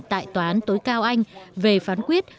tại toán tối cao anh về phán quyết